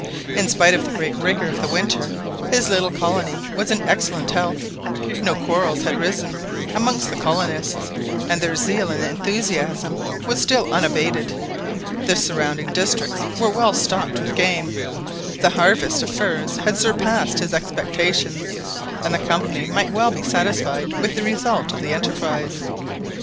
In spite of the great rigour of the winter, his little colony was in excellent health. No quarrels had arisen amongst the colonists, and their zeal and enthusiasm was still unabated. The surrounding districts were well stocked with game, the harvest of furs had surpassed his expectations, and the Company might well be satisfied with the result of the enterprise.